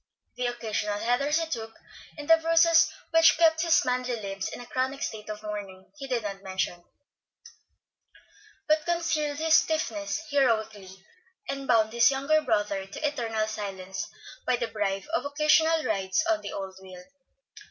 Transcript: The occasional headers he took, and the bruises which kept his manly limbs in a chronic state of mourning he did not mention; but concealed his stiffness heroically, and bound his younger brother to eternal silence by the bribe of occasional rides on the old wheel.